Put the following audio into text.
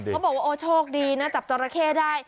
ก็บอกว่าโอโธกดีนะจับจอราแค่ได้